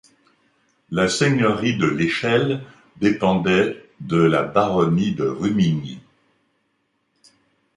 La seigneurie de l’Échelle dépendait de la baronnie de Rumigny.